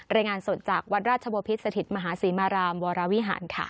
รายงานสดจากวัดราชบพิษสถิตมหาศรีมารามวรวิหารค่ะ